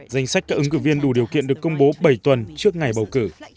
danh sách các ứng cử viên đủ điều kiện được công bố bảy tuần trước ngày bầu cử